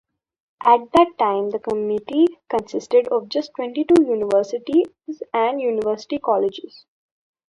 At that time, the committee consisted of just twenty-two universities and university colleges.